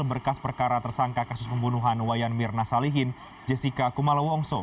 berkas perkara tersangka kasus pembunuhan wayan mirna salihin jessica kumala wongso